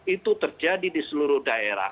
itu terjadi di seluruh daerah